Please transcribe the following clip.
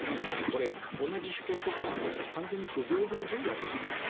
これ、同じ主権国家なんだけど完全に不平等条約なんです。